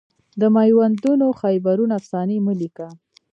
د میوندونو خیبرونو افسانې مه لیکه